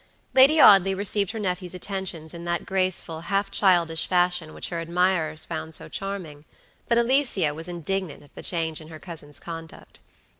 Lady Audley received her nephew's attentions in that graceful half childish fashion which her admirers found so charming; but Alicia was indignant at the change in her cousin's conduct.